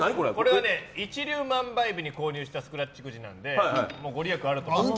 一粒万倍日に購入したスクラッチくじなんでご利益あると思います。